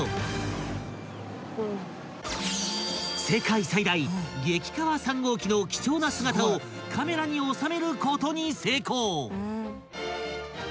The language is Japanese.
［世界最大激カワ３号機の貴重な姿をカメラに収めることに成功］